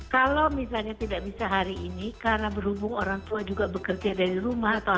kalau misalnya tidak bisa hari ini karena berhubung orang tua juga bekerja dari rumah atau apa